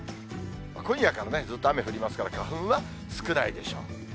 今夜からずっと雨降りますから、花粉は少ないでしょう。